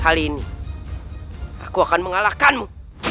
hari ini aku akan mengalahkanmu